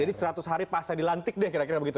jadi seratus hari pasca dilantik deh kira kira begitu